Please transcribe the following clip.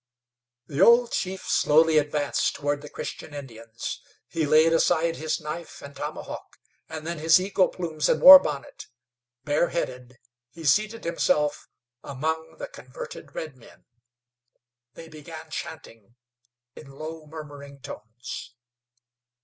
The old chief slowly advanced toward the Christian Indians. He laid aside his knife and tomahawk, and then his eagle plumes and war bonnet. Bareheaded, he seated himself among the converted redmen. They began chanting in low, murmuring tones.